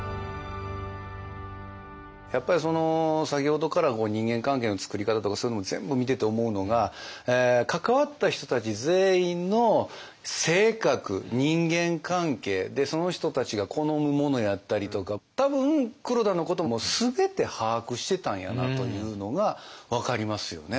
やっぱり先ほどから人間関係のつくり方とかそういうのを全部見てて思うのが関わった人たち全員の性格人間関係その人たちが好むものやったりとか多分黒田のことも全て把握してたんやなというのが分かりますよね。